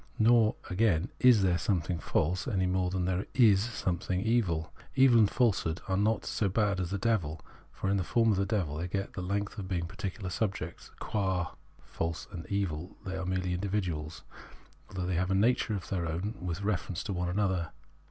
Nor, again, is there something false, any more than there is something evil. Evil and falsehood are indeed not so bad as the devil, for in the form of the devil they get the length of being particular subjects ; qua false and evil they are merely universals, though they have a nature of their own with reference to one another.